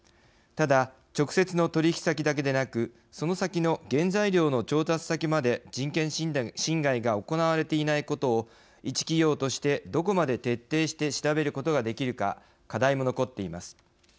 ただ、直接の取引先だけでなくその先の原材料の調達先まで人権侵害が行われていないことを一企業として、どこまで徹底して調べることができるか課題も残っています。